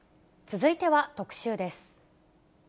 続いては特集です。